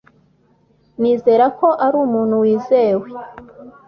Nizera ko ari umuntu wizewe